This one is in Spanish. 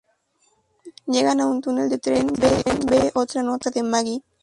Llegan a un túnel de trenes, y Glenn ve otra nota de Maggie.